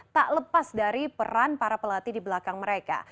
tak lepas dari peran para pelatih di belakang mereka